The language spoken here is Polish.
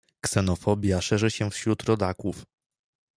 Ksenofobia szerzy się wśród rodaków.